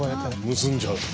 結んじゃう。